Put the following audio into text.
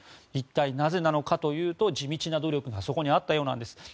一体なぜなのかというと地道な努力がそこにあったようなんです。